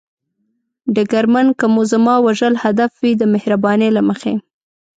ډګرمن: که مو زما وژل هدف وي، د مهربانۍ له مخې.